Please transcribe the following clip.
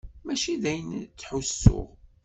Mačči d ayen ttḥussuɣ.